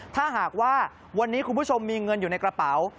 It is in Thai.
ถ้าหากว่าวันนี้คุณผู้ชมมีเงินอยู่ในกระเป๋า